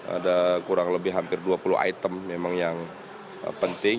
ada kurang lebih hampir dua puluh item memang yang penting